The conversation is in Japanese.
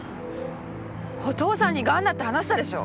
お父さんにガンだって話したでしょ？